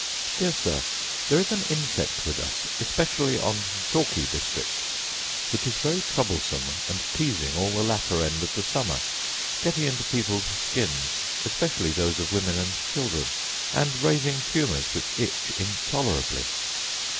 Dear Sir, There is an insect with us, especially on chalky districts, which is very troublesome and teasing all the latter end of the summer, getting into people's skins, especially those of women and children, and raising tumours which itch intolerably.